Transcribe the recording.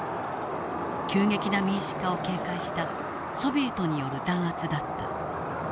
急激な民主化を警戒したソビエトによる弾圧だった。